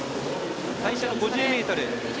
最初の５０ｍ。